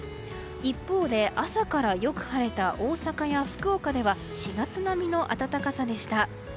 一方で、朝からよく晴れた大阪や福岡では４月並みの暖かさでした。